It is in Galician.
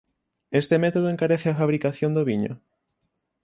Este método encarece a fabricación do viño?